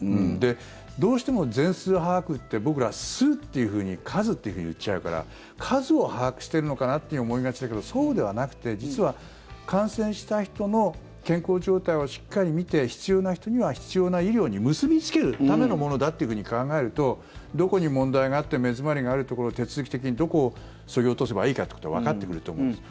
どうしても全数把握って僕ら、数っていうふうに言っちゃうから数を把握しているのかなって思いがちだけど、そうではなくて実は、感染した人の健康状態をしっかり見て必要な人には必要な医療に結びつけるためのものだというふうに考えるとどこに問題があって目詰まりがあるところを手続き的にどこをそぎ落とせばいいかということがわかってくると思うんです。